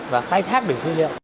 và khai thác được dữ liệu